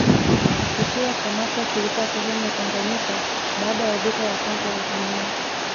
kisiwa cha mafia kilikuwa sehemu ya tanganyika baada ya vita ya kwanza ya dunia